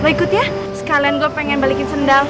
lo ikut ya sekalian gue pengen balikin sendal